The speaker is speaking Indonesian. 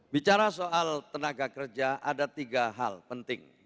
bicara soal tenaga kerja ada tiga hal penting